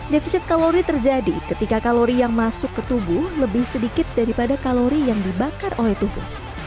defisit kalori terjadi ketika kalori yang masuk ke tubuh lebih sedikit daripada kalori yang dibakar oleh tubuh